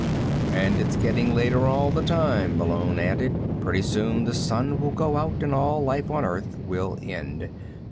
"And it's getting later all the time," Malone added. "Pretty soon the sun will go out and all life on earth will end.